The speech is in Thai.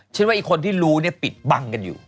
ฉันว่าอีกคนที่รู้เนี่ยปิดบังกันอยู่